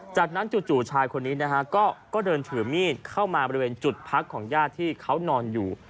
จากนั้นจู่ชายคนนี้นะฮะก็เดินถือมีดเข้ามาบริเวณจุดพักของญาติที่เขานอนอยู่